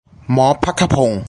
หมอภัคพงศ์